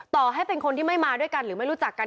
ต่อให้เป็นคนที่ไม่มาด้วยกันหรือไม่รู้จักกัน